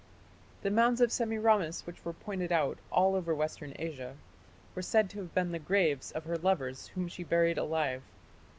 "The mounds of Semiramis which were pointed out all over Western Asia were said to have been the graves of her lovers whom she buried alive....